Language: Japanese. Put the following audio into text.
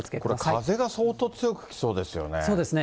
風が相当強く吹きそうですよね。